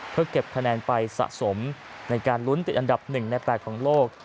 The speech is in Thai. เพื่อเก็บคะแนนไปสะสมในการลุ้นติดอันดับ๑ใน๘ของโลก